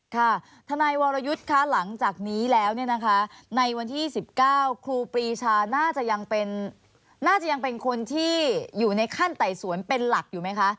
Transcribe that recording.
ค่ะทนายวรยุทธ์คะหลังจากนี้แล้วเนี่ยนะคะในวันที่๑๙ครูปรีชาน่าจะยังน่าจะยังเป็นคนที่อยู่ในขั้นไต่สวนเป็นหลักอยู่ไหมคะ